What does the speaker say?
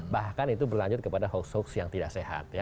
bahkan itu berlanjut kepada hoax hoax yang tidak sehat